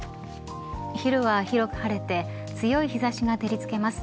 昼は広く晴れて強い日差しが照りつけます。